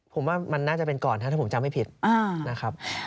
ผมว่ามันน่าจะเป็นก่อนถ้าผมจำไม่ผิดนะครับ